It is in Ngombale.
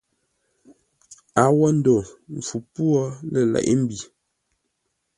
A wo ndo mpfu pwô lə̂ leʼé-mbi.